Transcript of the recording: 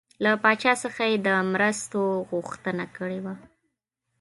له پاچا څخه یې د مرستو غوښتنه کړې وه.